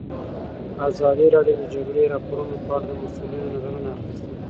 ازادي راډیو د د جګړې راپورونه په اړه د مسؤلینو نظرونه اخیستي.